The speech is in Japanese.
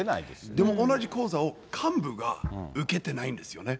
でも同じ講座を幹部が受けてないんですよね。